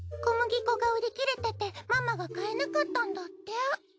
小麦粉が売り切れててママが買えなかったんだって。